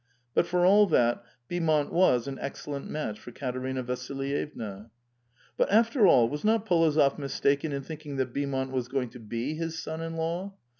But for all that, Beaumont was an excellent match for Katerina Vasilyevna. But, after all, was not P61ozof mistaken in thinking that Beaumont was going to be his son in law